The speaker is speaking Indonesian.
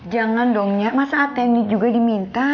jangan dong nyak masa atm ini juga diminta